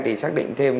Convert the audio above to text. thì xác định thêm